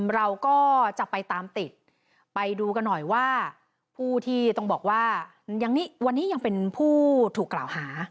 เราก็จะไปตามติดไปดูกันหน่อยว่าผู้ที่ต้องบอกว่าวันนี้ยังเป็นผู้ถูกกล่าวหา